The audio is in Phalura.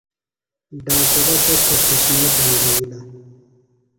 ڈاکٹرہ تس تھےۡ چشمے بندئِلہ۔